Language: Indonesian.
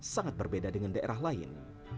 sangat berbeda dengan daerah lain